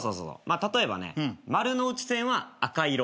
例えばね丸ノ内線は赤色。